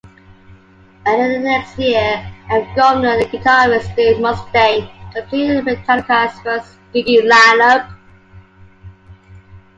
Early the next year, McGovney and guitarist Dave Mustaine completed Metallica's first gigging lineup.